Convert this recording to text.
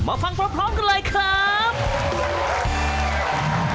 ฟังพร้อมกันเลยครับ